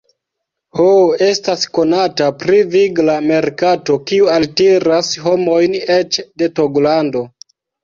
Ho estas konata pri vigla merkato, kiu altiras homojn eĉ de Togolando.